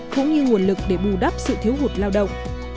cũng như nguồn lực để bù đắp sự thiếu hụt lao động